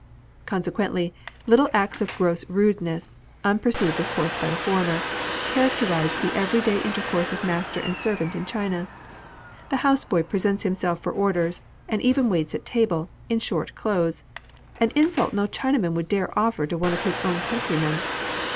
Consequently, little acts of gross rudeness, unperceived of course by the foreigner, characterise the everyday intercourse of master and servant in China. The house boy presents himself for orders, and even waits at table, in short clothes — an insult no Chinaman would dare to offer to one of his own countrymen.